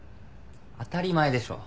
当たり前でしょ。